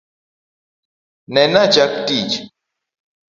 Nena chack tich